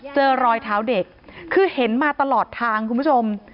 เจอรอยเท้าเด็กคือเห็นมาตลอดทางคุณผู้ชม